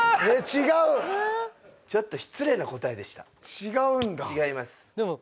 違うちょっと失礼な答えでした違うんだ違います